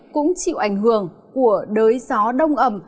cũng chịu ảnh hưởng của đới gió đông ẩm